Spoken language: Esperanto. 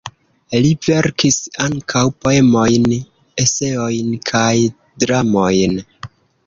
Li verkis ankaŭ poemojn, eseojn kaj dramojn.